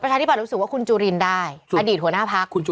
ประชาธิปัตย์รู้สึกว่าคุณจูรินได้อดีตหัวหน้าพัก